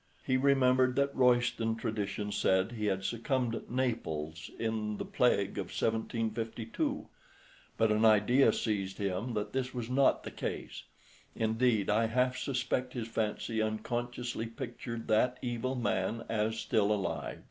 He remembered that Royston tradition said he had succumbed at Naples in the plague of 1752, but an idea seized him that this was not the case; indeed I half suspect his fancy unconsciously pictured that evil man as still alive.